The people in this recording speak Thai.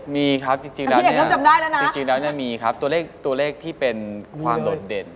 มีครับจริงแล้วมีครับตัวเลขที่เป็นความฏรดิน